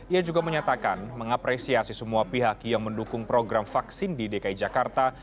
ia juga menyatakan mengapresiasi semua pihak yang mendukung program vaksin di dki jakarta